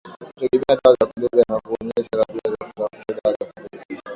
kutegemea dawa za kulevya na kuonyesha tabia za kutafuta dawa za kulevya